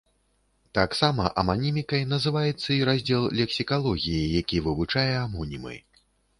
Таксама аманімікай называецца і раздзел лексікалогіі, які вывучае амонімы.